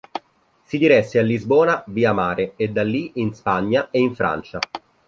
Si diresse a Lisbona via mare e da lì in Spagna e in Francia.